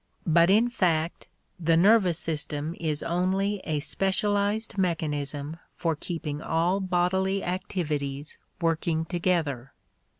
But in fact the nervous system is only a specialized mechanism for keeping all bodily activities working together.